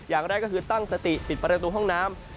อย่างแรกก็คือตั้งสติปิดประตูห้องน้ำ